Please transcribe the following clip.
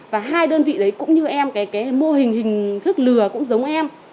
và hai đơn vị đấy cũng như em cái mô hình hình thức lừa cũng giống em